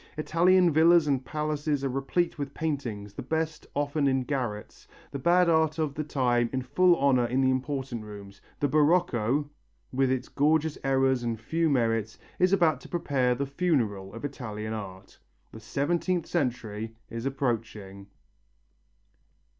Italian villas and palaces are replete with paintings, the best often in garrets, the bad art of the time in full honour in the important rooms. The Barocco, with its gorgeous errors and few merits, is about to prepare the funeral of Italian art. The seventeenth century is approaching.